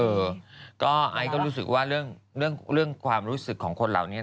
เออก็ไอซ์ก็รู้สึกว่าเรื่องความรู้สึกของคนเหล่านี้